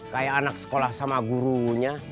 kayak anak sekolah sama gurunya